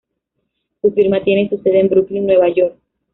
Su firma tiene su sede en Brooklyn, Nueva York.